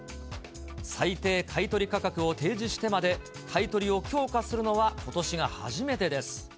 最低買い取り価格を提示してまで、買い取りを強化するのは、ことしが初めてです。